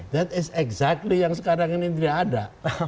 that is exactly yang sekarang ini tidak ada